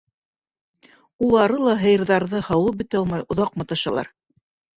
Улары ла һыйырҙарҙы һауып бөтә алмай оҙаҡ маташалар.